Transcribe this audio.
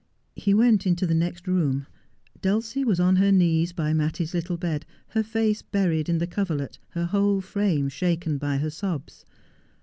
He went into the next room. Dulcie was on her knees by Mattie's little bed, her face buried in the coverlet, her whole frame shaken by her sobs.